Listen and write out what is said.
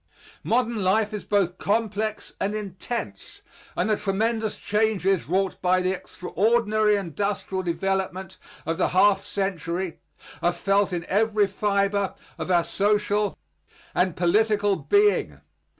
Modern life is both complex and intense, and the tremendous changes wrought by the extraordinary industrial development of the half century are felt in every fiber of our social and political being.